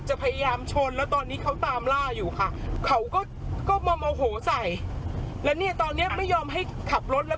ใจเย็นเย็นก่อนนะคะเดี๋ยวจะมาสร้างงานตั้งที่ช่วยเหลือ